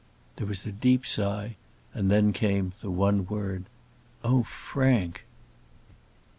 There was a deep sigh, and then came the one word "Oh, Frank!"